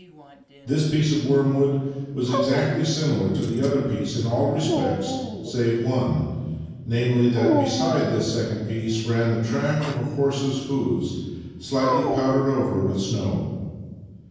This piece of wormwood was exactly similar to the other piece in all respects save one — namely, that beside this second piece ran the track of a horse's hoofs, slightly powdered over with snow.